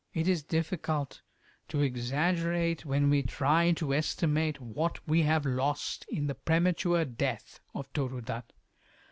It is difficult to exaggerate when we try to estimate what we have lost in the premature death of Toru Dutt.